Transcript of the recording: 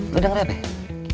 lo udah ngerti